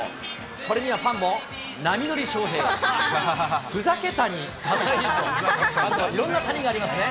これにはファンも波乗り翔平、ふざけ谷かわいいといろんな谷がありますね。